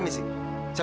tidak ada foto